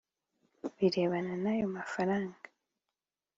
birebana n ayo mafaranga